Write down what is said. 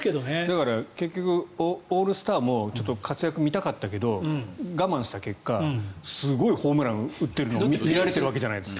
だから結局、オールスターも活躍見たかったけど我慢した結果すごいホームランを打っているのを見られているわけじゃないですか。